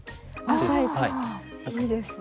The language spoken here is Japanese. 朝市いいですね。